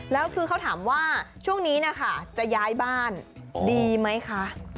แล้วคือเขาถามว่าช่วงนี้นะคะจะย้ายบ้านดีไหมคะ